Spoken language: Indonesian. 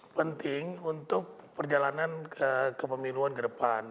penting untuk perjalanan kepemiluan ke depan